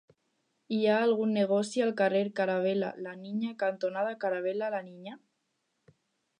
Hi ha algun negoci al carrer Caravel·la La Niña cantonada Caravel·la La Niña?